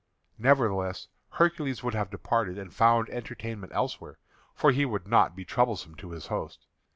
Nevertheless Hercules would have departed and found entertainment elsewhere, for he would not be troublesome to his host.